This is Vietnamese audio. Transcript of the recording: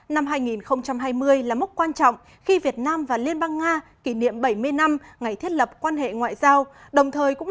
năm hai nghìn hai mươi là mốc quan trọng khi việt nam và liên bang nga kỷ niệm bảy mươi năm ngày thiết lập quan hệ ngoại giao